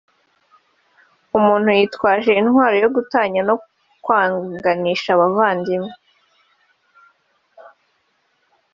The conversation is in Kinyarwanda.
umuntu yitwaje intwaro yo gutanya no kwanganisha abavandimwe